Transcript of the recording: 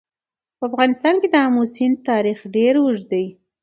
په افغانستان کې د آمو سیند تاریخ ډېر اوږد دی.